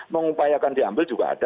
mengupayakan diambil juga ada